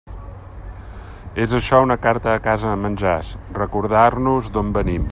És això una carta de casa de menjars: recordar-nos d'on venim.